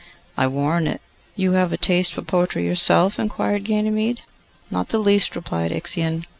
'I warrant it.' 'You have a taste for poetry yourself?' inquired Ganymede. 'Not the least,' replied Ixion.